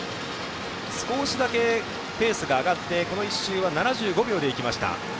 少しだけペースが上がってこの１周は７５秒でいきました。